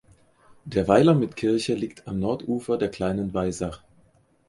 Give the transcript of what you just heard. Der Weiler mit Kirche liegt am Nordufer der Kleinen Weisach.